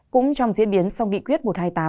cũng trong diễn biến sau nghị quyết một trăm hai mươi tám